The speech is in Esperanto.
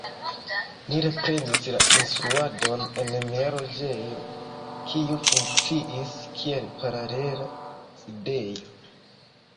Ni reprenis la instruadon en mia loĝejo, kiu funkciis kiel paralela sidejo.